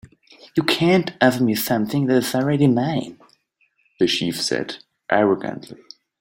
"You can't offer me something that is already mine," the chief said, arrogantly.